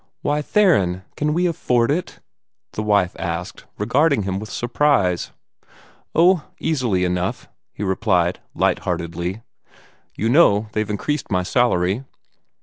"Why, Theron, can we afford it?" the wife asked, regarding him with surprise. "Oh, easily enough," he replied light heartedly. "You know they've increased my salary."